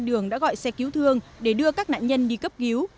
đường đã gọi xe cứu thương để đưa các nạn nhân đi cấp cứu